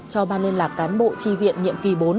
cho ban liên lạc cán bộ tri viện nhiệm kỳ bốn